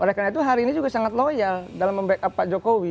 oleh karena itu hari ini juga sangat loyal dalam membackup pak jokowi